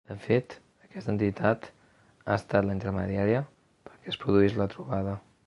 De fet, aquesta entitat, ha estat la intermediària perquè es produís la trobada.